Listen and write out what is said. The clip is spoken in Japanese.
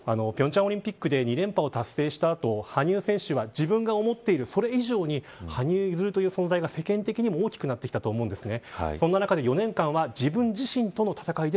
平昌オリンピックで２連覇を達成したあと羽生結弦選手は自分が思っている以上に羽生結弦という存在が世間的にも大きくなってきたと思うんですね。